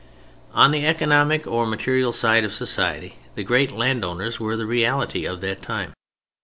On the economic, or material, side of society, the great landowners were the reality of that time.